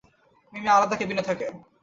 মিমি আলাদা কেবিনে থাকে।